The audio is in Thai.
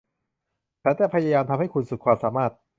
ฉันจะพยายามทำให้คุณสุดความสามารถ